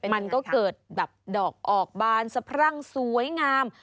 มันก็เกิดแบบดอกออกบานสะพรั่งสวยงาม